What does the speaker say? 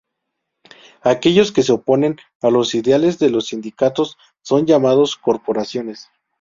Aquellos que se oponen a los ideales de los sindicatos son llamados "Corporaciones".